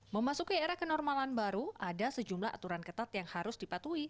memasuki era kenormalan baru ada sejumlah aturan ketat yang harus dipatuhi